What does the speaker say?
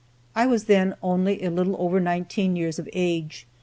I was then only a little over nineteen years of age.